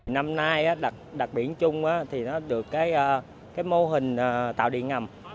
năm nay đặc biệt chung thì nó được cái mô hình tạo điện ngầm